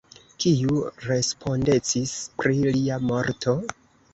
Kiu respondecis pri lia morto?